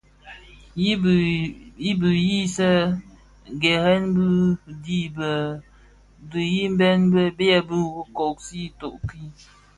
I bisiigherè bi dhim a dhitimbèn lè bè kōōsi itoň ki.